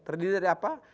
terdiri dari apa